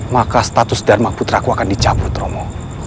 maka status dharma putraku akan dicabut romo